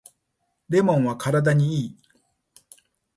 レモンは体にいい